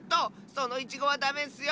そのイチゴはダメッスよ！